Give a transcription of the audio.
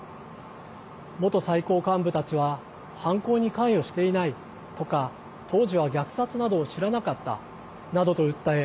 元最高幹部たちは犯行に関与していないとか当時は虐殺などを知らなかったなどと訴え